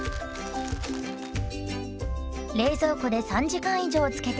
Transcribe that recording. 冷蔵庫で３時間以上漬けて完成です。